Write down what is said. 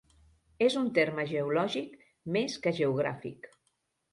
És un terme geològic més que geogràfic.